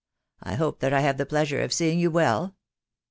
I hope that I have the pleasure of seeing you wefl?"